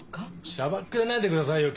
しらばっくれないでくださいよ。